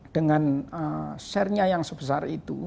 dengan share nya yang sebesar itu